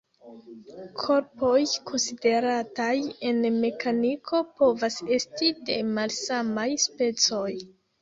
Korpoj konsiderataj en mekaniko povas esti de malsamaj specoj.